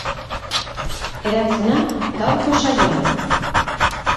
Erantzuna, gaurko saioan.